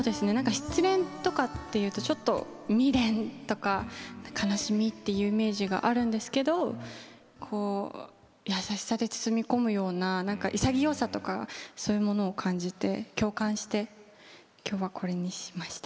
失恋とかっていうと未練とか悲しみっていうイメージがあるんですけど優しさで包み込むような潔さとかそういうものを感じて共感してきょうは、これにしました。